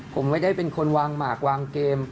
ผมไม่ได้เป็นคนวางหมากวางเกม